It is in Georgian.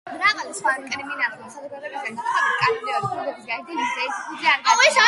მრავალი სხვა კრიმინალური საზოგადოებისგან განსხვავებით, კანონიერი ქურდების გაერთიანებას ერთი ფუძე არ გააჩნია.